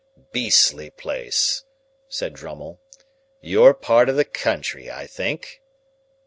"Beastly place," said Drummle. "Your part of the country, I think?"